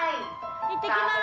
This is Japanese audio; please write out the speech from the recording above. いってきます。